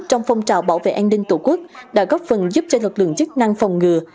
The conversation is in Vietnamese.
trong phong trào bảo vệ an ninh tổ quốc đã góp phần giúp cho lực lượng chức năng phòng ngừa